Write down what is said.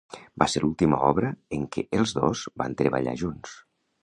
Va ser l'última obra en què els dos van treballar junts.